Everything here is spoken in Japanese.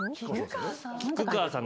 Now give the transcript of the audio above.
・菊川さん？